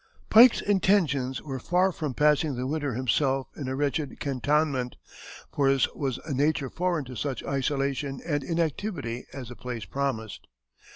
Pike's intentions were far from passing the winter himself in a wretched cantonment, for his was a nature foreign to such isolation and inactivity as the place promised.